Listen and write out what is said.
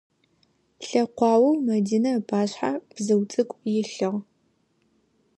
Лъэкъуаоу Мэдинэ ыпашъхьэ бзыу цӏыкӏу илъыгъ.